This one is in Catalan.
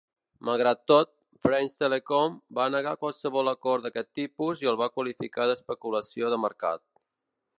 Malgrat això, France Telecom va negar qualsevol acord d'aquest tipus i el va qualificar d'especulació de mercat.